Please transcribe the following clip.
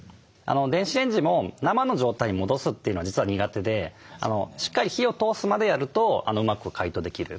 電子レンジも生の状態に戻すというのは実は苦手でしっかり火を通すまでやるとうまく解凍できる。